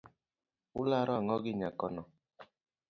Ularo ang'o gi nyakono?